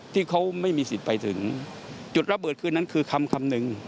ที่เขาไม่มีสิทธิ์ไปถึงจุดระเบิดคืนนั้นคือคำคำหนึ่ง